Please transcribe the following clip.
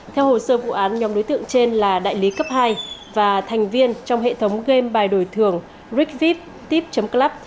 theo hồ sơ vụ án nhóm đối tượng trên là đại lý cấp hai và thành viên trong hệ thống game bài đổi thường rigvip tip club